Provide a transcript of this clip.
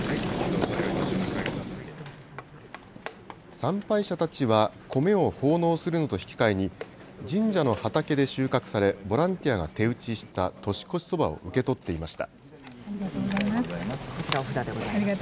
参拝者たちはコメを奉納するのと引き換えに、神社の畑で収穫されボランティアが手打ちした年越しそばを受け取っていました。